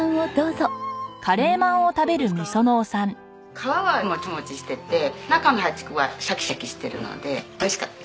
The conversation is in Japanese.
皮はモチモチしてて中の淡竹はシャキシャキしてるのでおいしかった。